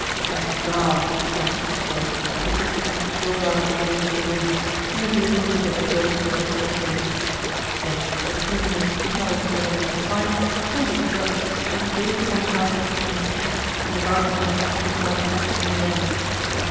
"Thank God!" thought Chichikov as the britchka rolled out of the gates of the inn, and the vehicle began to jolt over the cobblestones. Yet a feeling which he could not altogether have defined filled his breast as he gazed upon the houses and the streets and the garden walls which he might never see again.